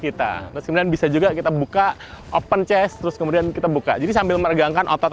kita terus kemudian bisa juga kita buka open chest terus kemudian kita buka jadi sambil meregangkan otot